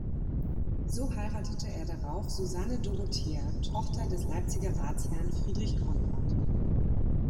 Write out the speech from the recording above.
So heiratete er darauf Susanne Dorothea Tochter des Leipziger Ratsherren Friedrich Conrad.